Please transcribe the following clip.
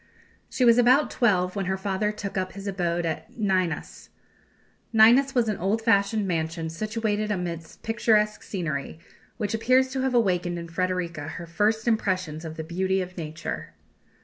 She was about twelve when her father took up his abode at Nynäs. Nynäs was an old fashioned mansion situated amidst picturesque scenery, which appears to have awakened in Frederika her first impressions of the beauty of Nature.